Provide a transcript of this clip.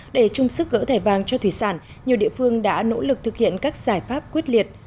để chung sức gỡ thẻ vàng cho thủy sản nhiều địa phương đã nỗ lực thực hiện các giải pháp quyết liệt